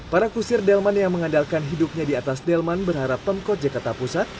para kusir delman yang mengandalkan hidupnya di atas delman berharap pemkot jakarta pusat